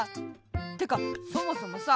てかそもそもさ